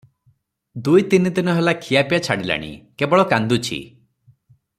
ଦୁଇ ତିନି ଦିନ ହେଲା ଖିଆପିଆ ଛାଡିଲାଣି, କେବଳ କାନ୍ଦୁଛି ।